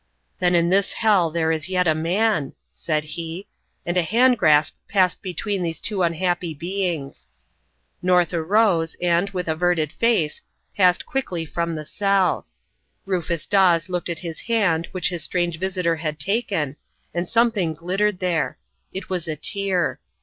"Then in this hell there is yet a man," said he; and a hand grasp passed between these two unhappy beings. North arose, and, with averted face, passed quickly from the cell. Rufus Dawes looked at his hand which his strange visitor had taken, and something glittered there. It was a tear.